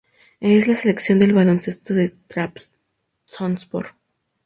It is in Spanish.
Es la sección de baloncesto del Trabzonspor.